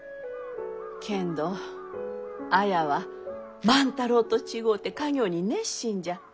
けんど綾は万太郎と違うて家業に熱心じゃ。